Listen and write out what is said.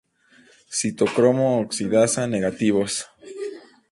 Citocromo-oxidasa negativos.